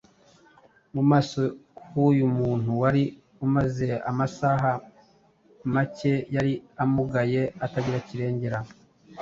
Mu maso h’uyu muntu wari umaze amasaha make yari amugaye atagira kirengera,